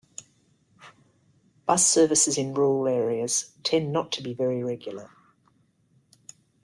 Bus services in rural areas tend not to be very regular.